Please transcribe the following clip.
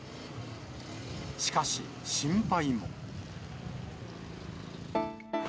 しかし心配も。